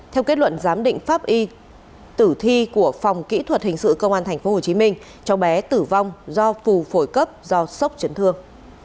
theo kết luận giám định pháp y tử thi của phòng kỹ thuật hình sự công an tp hcm cháu bé tử vong do phù phổi cấp do sốc chấn thương